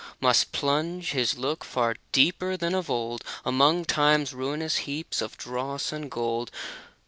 Must plunge his look far deeper than of old Among time's ruinous heaps of dross and gold.